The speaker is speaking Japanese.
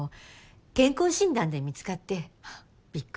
健康診断で見つかってびっくり。